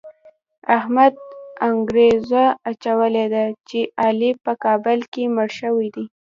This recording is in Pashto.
احمد انګروزه اچولې ده چې علي په کابل کې مړ شوی دی.